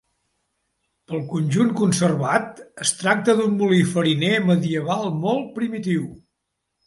Pel conjunt conservat, es tracta d'un molí fariner medieval molt primitiu.